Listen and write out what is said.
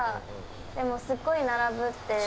でも、すごい並ぶって。